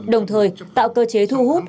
đồng thời tạo cơ chế thu hút